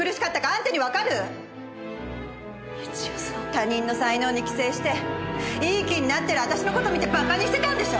他人の才能に寄生していい気になってる私の事見てバカにしてたんでしょ！